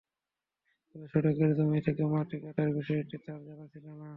তবে সড়কের জমি থেকে মাটি কাটার বিষয়টি তাঁর জানা ছিল না।